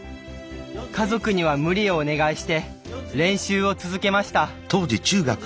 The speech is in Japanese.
家族には無理をお願いして練習を続けました。